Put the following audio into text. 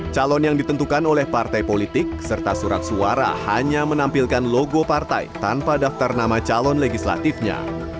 calon yang ditentukan oleh partai politik serta surat suara hanya menampilkan logo partai tanpa daftar nama calon legislatifnya